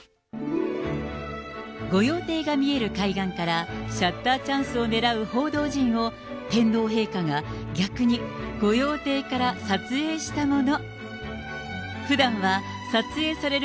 御用邸が見える海岸から、シャッターチャンスを狙う報道陣を、天皇陛下が逆に、御用邸から撮影したもの。